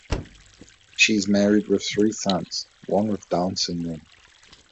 She is married with three sons, one with Down Syndrome.